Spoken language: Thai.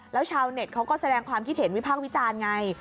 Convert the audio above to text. แล้วชาวเน็ตเขาก็แสดงความคิดเห็นวิพากษ์วิจารณ์ไง